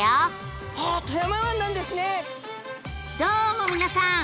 どうも皆さん！